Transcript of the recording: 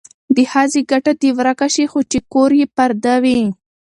د ښځې ګټه دې ورکه شي خو چې کور یې پرده وي.